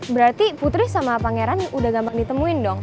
berarti putri sama pangeran udah gampang ditemuin dong